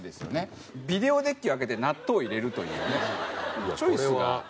ビデオデッキを開けて納豆を入れるというチョイスが。